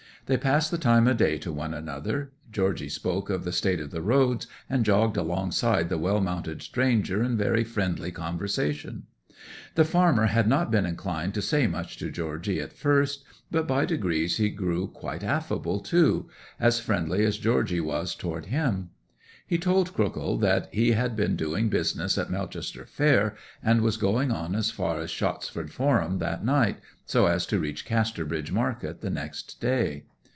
They passed the time o' day to one another; Georgy spoke of the state of the roads, and jogged alongside the well mounted stranger in very friendly conversation. The farmer had not been inclined to say much to Georgy at first, but by degrees he grew quite affable too—as friendly as Georgy was toward him. He told Crookhill that he had been doing business at Melchester fair, and was going on as far as Shottsford Forum that night, so as to reach Casterbridge market the next day.